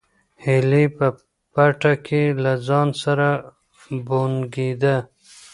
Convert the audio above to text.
هیلې په پټه کې له ځان سره بونګېده.